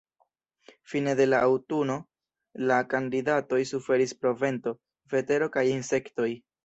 Fine de la aŭtuno la kandidatoj suferis pro vento, vetero kaj insektoj.